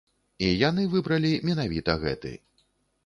І яны выбралі менавіта гэты.